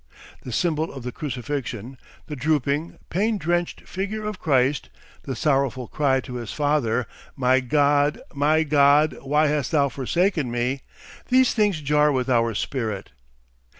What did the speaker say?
The symbol of the crucifixion, the drooping, pain drenched figure of Christ, the sorrowful cry to his Father, "My God, my God, why hast thou forsaken me?" these things jar with our spirit.